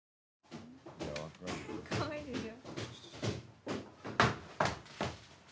かわいいでしょ？